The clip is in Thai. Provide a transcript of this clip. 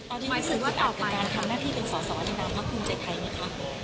หมายความคิดว่าต่อไปทำหน้าที่เป็นสาวในดามรักภูมิใจไทยไหมครับ